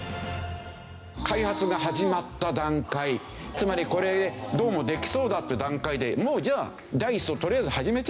開発が始まった段階つまりこれどうもできそうだって段階でもうじゃあ第１相とりあえず始めちゃえと。